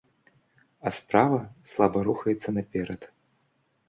А справа слаба рухаецца наперад.